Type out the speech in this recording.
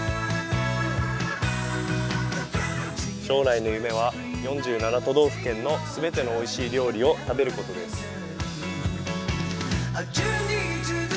将来の夢は４７都道府県の全てのおいしい料理を食べることです。